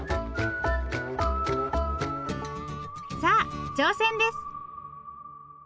さあ挑戦です。